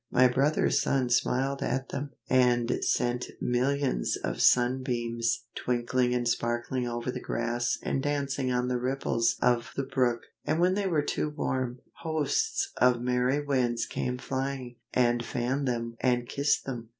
My brother Sun smiled at them, and sent millions of sunbeams, twinkling and sparkling over the grass and dancing on the ripples of the brook; and when they were too warm, hosts of merry Winds came flying, and fanned them and kissed them.